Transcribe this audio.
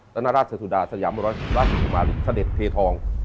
ตั้งแต่ราชสุดาสัยามราชสุดุมาลสเด็ดเพทอง